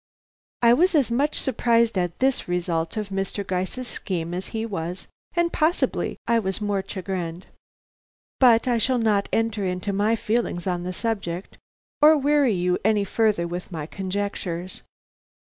I was as much surprised at this result of Mr. Gryce's scheme as he was, and possibly I was more chagrined. But I shall not enter into my feelings on the subject, or weary you any further with my conjectures.